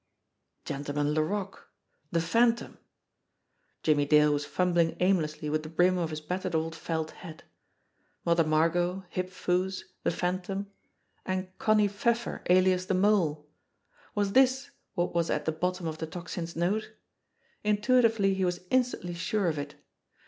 Gentleman Laroque! The Phantom! Jimmie Dale was fumbling aimlessly with the brim of his battered old felt hat. Mother Margot, Hip Foo's, the Phantom and Connie THE MESSAGE 81 Pfeffer, alias the Mole ! Was this what was at the bottom of the Tocsin's note? Intuitively he was instantly sure of it.